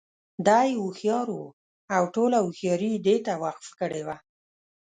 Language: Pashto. دى هوښيار وو او ټوله هوښياري یې دې ته وقف کړې وه.